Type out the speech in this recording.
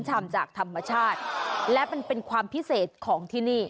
ชำจากธรรมชาติและมันเป็นความพิเศษของที่นี่